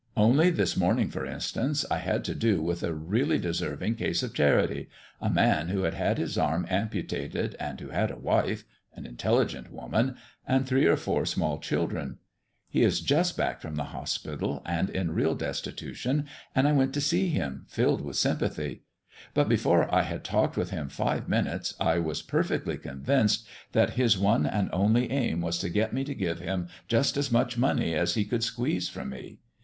Only this morning, for instance, I had to do with a really deserving case of charity a man who had had his arm amputated and who had a wife an intelligent woman and three or four small children. He is just back from the hospital and in real destitution, and I went to see him, filled with sympathy. But before I had talked with him five minutes I was perfectly convinced that his one and only aim was to get me to give him just as much money as he could squeeze from me.